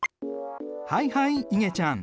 はいはいいげちゃん。